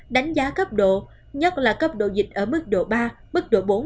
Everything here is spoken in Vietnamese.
đánh giá cấp độ nhất là cấp độ dịch ở mức độ ba mức độ bốn